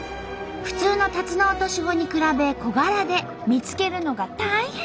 普通のタツノオトシゴに比べ小柄で見つけるのが大変！